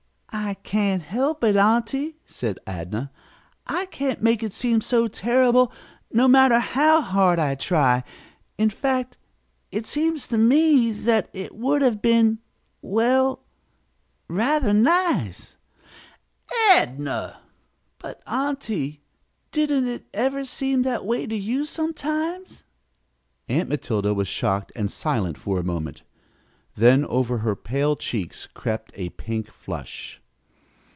"I can't help it, aunty," said Adnah. "I can't make it seem so terrible, no matter how hard I try. In fact it it seems to me that it would have been well rather nice." "Adnah!" "But, aunty, didn't it ever seem that way to you, sometimes?" Aunt Matilda was shocked and silent for a moment, then over her pale cheeks crept a pink flush.